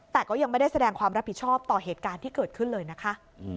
แต่ก็ยังไม่ได้แสดงความรับผิดชอบต่อเหตุการณ์ที่เกิดขึ้นเลยนะคะ